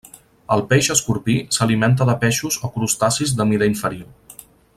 El peix escorpí s'alimenta de peixos o crustacis de mida inferior.